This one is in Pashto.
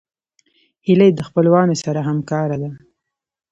هیلۍ د خپلوانو سره همکاره ده